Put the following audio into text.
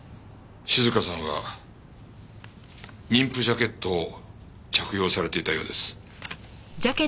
静香さんは妊婦ジャケットを着用されていたようです。